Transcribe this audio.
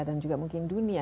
dan juga mungkin dunia